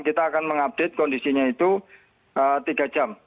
kita akan mengupdate kondisinya itu tiga jam